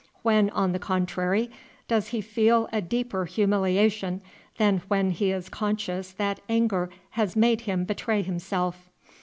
When, on the contrary, does he feel a deeper humiliation than when he is conscious that anger has made him betray himself?